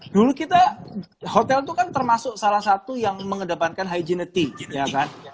dulu kita hotel itu kan termasuk salah satu yang mengedepankan hygienity ya kan